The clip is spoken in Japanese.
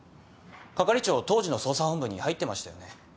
係長当時の捜査本部に入ってましたよね。